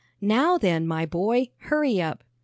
"Now then, my boy, hurry up."